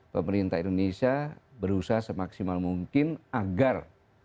pemerintah indonesia berusaha semaksimal mungkin agar